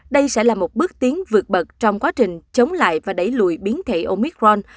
đây sẽ là một bước tiến vượt bật trong quá trình chống lại và đẩy lùi biến thể omicron